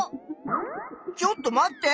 ちょっと待って！